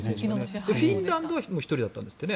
フィンランドは１人だったんですって。